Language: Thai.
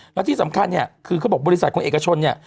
แล้วที่สำคัญเนี่ยคือเขาบอกบริษัทของเอกชนเนี่ย